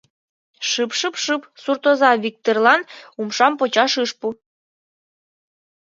— Шып-шып-шып! — суртоза Виктырлан умшам почаш ыш пу.